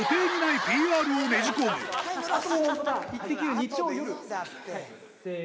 日曜夜。